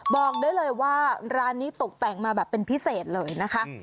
บอกได้เลยว่าร้านนี้ตกแต่งมาแบบเป็นพิเศษเลยนะคะ